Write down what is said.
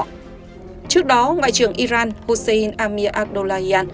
trước đó ngoại trưởng iran hossein amir akdollahi